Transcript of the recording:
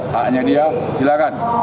haknya dia silakan